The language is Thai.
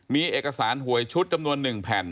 มีเอกสารหวยชุดจำนวน๑แผ่น